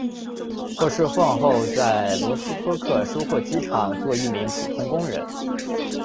获释放后在罗斯托克收获机厂做一名普通工人。